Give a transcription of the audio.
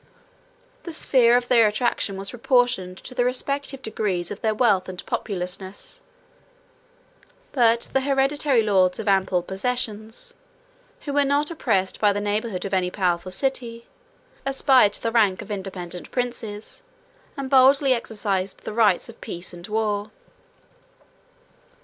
The sphere of their attraction was proportioned to the respective degrees of their wealth and populousness; but the hereditary lords of ample possessions, who were not oppressed by the neighborhood of any powerful city, aspired to the rank of independent princes, and boldly exercised the rights of peace and war.